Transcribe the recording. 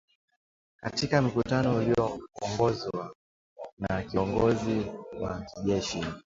katika mkutano ulioongozwa na kiongozi wa kijeshi